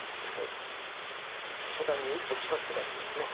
初段に一歩近づくことができますね。